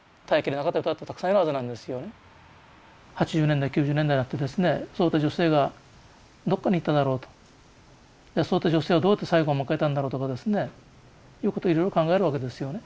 ８０年代９０年代になってですねそういった女性がどこに行っただろうとそういった女性がどうやって最期を迎えたんだろうとかですねということをいろいろと考えるわけですよね。